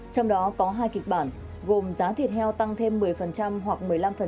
trong đó có hai kịch bản gồm giá thịt heo tăng thêm một mươi hoặc một mươi năm